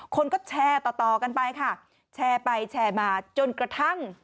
คนก็แชร์ต่อกันไปค่ะแชร์ไปแชร์มาจนกระทั่ง